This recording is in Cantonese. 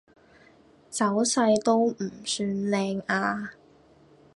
走勢都唔算靚呀